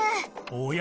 おや？